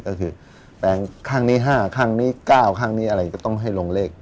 ก็คือแปลงข้างนี้๕ข้างนี้๙ข้างนี้อะไรก็ต้องให้ลงเลข